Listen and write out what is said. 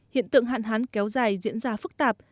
hiện tượng hạn hán kéo dài diễn ra phức tạp